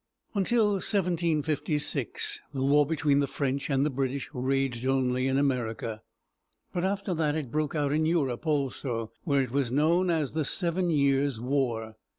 Until 1756, the war between the French and the British raged only in America; but after that it broke out in Europe also, where it was known as the "Seven Years' War."